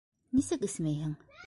Нисек эсмәйһең?